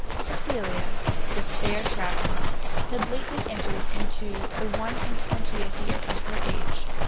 Cecilia, this fair traveller, had lately entered into the one and twentieth year of her age.